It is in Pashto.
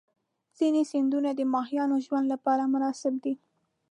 ځینې سیندونه د ماهیانو ژوند لپاره مناسب دي.